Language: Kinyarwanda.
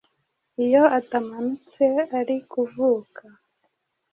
Iyo atamanutse ari kuvuka